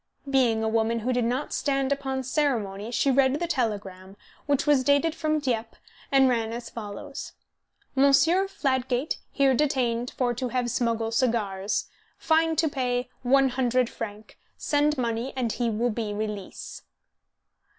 Being a woman who did not stand upon ceremony, she read the telegram, which was dated from Dieppe and ran as follows: "Monsieur Fladgate here detained for to have smuggle cigars. Fine to pay, one hundred franc. Send money and he will be release."